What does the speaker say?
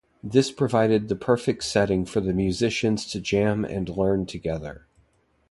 This provided the perfect setting for the musicians to jam and learn together.